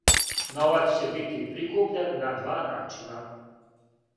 Новац ће бити прикупљан на два начина.